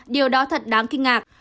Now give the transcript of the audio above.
điều đó thật đáng kinh ngạc